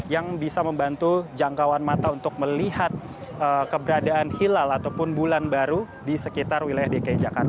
yang bisa membantu jangkauan mata untuk melihat keberadaan hilal ataupun bulan baru di sekitar wilayah dki jakarta